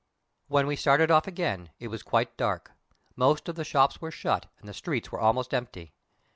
When we started off again, it was quite dark. Most of the shops were shut, and the streets were almost empty.